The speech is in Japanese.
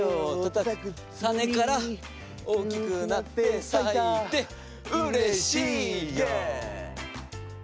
たねから大きくなってさいてうれしいイェー！